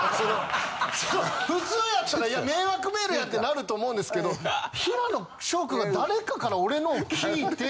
普通やったら迷惑メールやってなると思うんですけど平野紫耀君が誰かから俺のを聞いて。